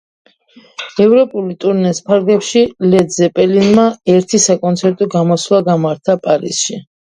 ევროპული ტურნეს ფარგლებში ლედ ზეპელინმა ერთი საკონცერტო გამოსვლა გამართა პარიზში.